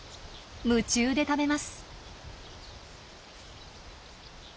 夢中で食べます。